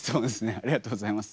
ありがとうございます。